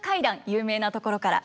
有名なところから。